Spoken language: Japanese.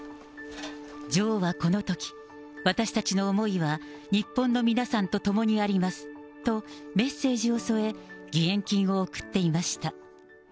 女王はこのとき、私たちの思いは、日本の皆さんとともにありますと、メッセージを添え、義援金を送っていました。